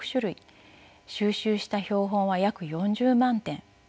収集した標本は約４０万点。